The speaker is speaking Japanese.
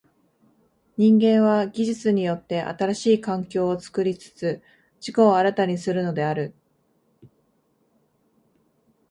人間は技術によって新しい環境を作りつつ自己を新たにするのである。